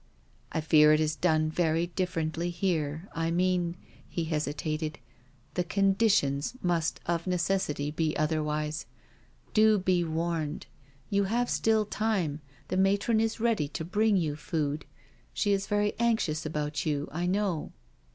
" I fear it is done very differently here. I mean ..." he hesitated —" the conditions must of necessity be otherwise. Do be warned— you have still time, the matron is ready to bring you food— she is very anxious about yoUj I know."